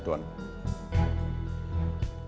kita tunggu disini saja